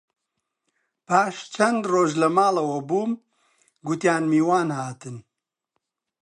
پاش چەند ڕۆژ لە ماڵەوە بووم، گوتیان میوان هاتن